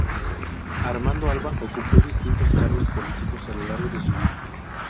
Armando Alba ocupó distintos cargos políticos a lo largo de su vida.